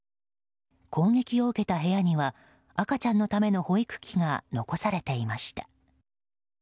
攻撃を受けた部屋には赤ちゃんのための保育器が残されていました。